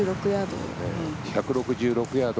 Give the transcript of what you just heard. １６６ヤード。